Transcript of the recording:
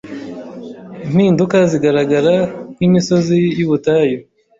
impinduka zigaragara nkimisozi yubutayu